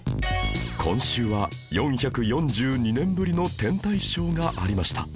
今週は４４２年ぶりの天体ショーがありました